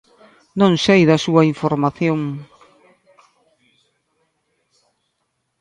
Non sei da súa información.